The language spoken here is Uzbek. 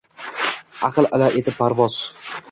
Аql ila etib parvoz